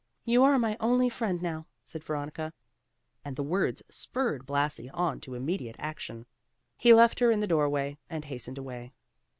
"You are my only friend now," said Veronica; and the words spurred Blasi on to immediate action. He left her in the doorway, and hastened away.